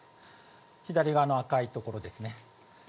左側の赤いところですね。